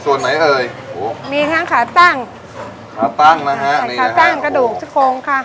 ส่วนไหนเอ่ยโหมีนะครับขาตั้งขาตั้งนะฮะขาตั้งกระดูกซี่โครงค่ะ